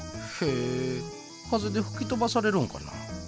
風でふき飛ばされるんかな。